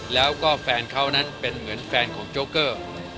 แล้วก็แฟนเขานั้นเป็นเหมือนแฟนของโจ๊เกอร์